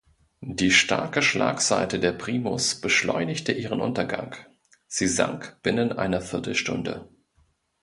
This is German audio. Die starke Schlagseite der "Primus" beschleunigte ihren Untergang; sie sank binnen einer Viertelstunde.